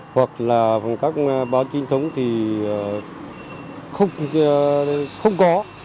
hoặc là bằng cách báo kinh thống thì không có